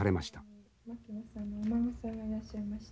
牧野さんのお孫さんがいらっしゃいまして。